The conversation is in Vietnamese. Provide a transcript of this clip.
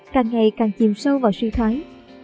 càng ngày càng chìm sâu vào suy thoái